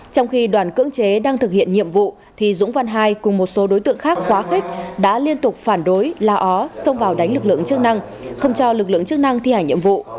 trong khi đoàn cưỡng chế đang thực hiện nhiệm vụ thì dũng văn hai cùng một số đối tượng khác quá khích đã liên tục phản đối la ó xông vào đánh lực lượng chức năng không cho lực lượng chức năng thi hành nhiệm vụ